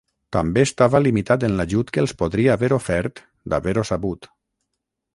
També estava limitat en l'ajut que els podria haver ofert d'haver-ho sabut.